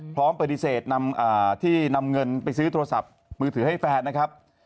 พร้อมปฏิเสธนำที่นำเงินไปซื้อโทรศัพท์มือถือให้แฟนนะครับ